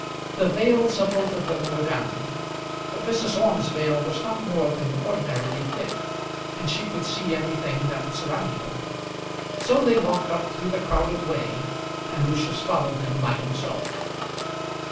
The veils of both of them were down; but Mrs. Orme's veil was not more than ordinarily thick, and she could see everything that was around her. So they walked up through the crowded way, and Lucius followed them by himself.